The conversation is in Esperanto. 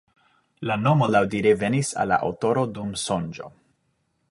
La nomo laŭdire venis al la aŭtoro dum sonĝo.